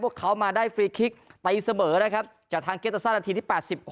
พวกเขามาได้ฟรีคลิกไตยเสบ๋อนะครับจากทางเกตสนาทีที่๘๖